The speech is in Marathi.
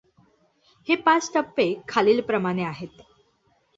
हे पाच टप्पे खालीलप्रमाणे आहेत.